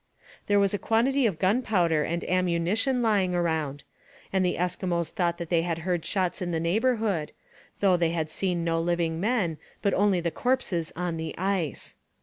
There was a quantity of gunpowder and ammunition lying around, and the Eskimos thought that they had heard shots in the neighbourhood, though they had seen no living men, but only the corpses on the ice.